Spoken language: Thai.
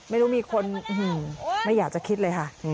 ไม่รู้มีคนไม่อยากจะคิดเลยค่ะ